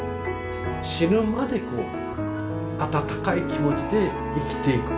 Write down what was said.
死ぬまでこう温かい気持ちで生きていく。